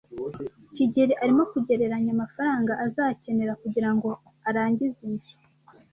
kigeli arimo kugereranya amafaranga azakenera kugirango arangize inzu.